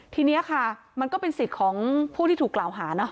ทีนี้ค่ะมันก็เป็นสิทธิ์ของผู้ที่ถูกกล่าวหา